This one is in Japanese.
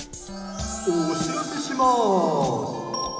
・おしらせします。